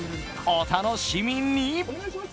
お楽しみに。